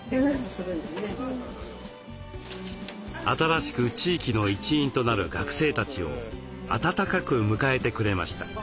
新しく地域の一員となる学生たちを温かく迎えてくれました。